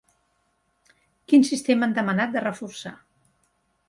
Quin sistema han demanat de reforçar?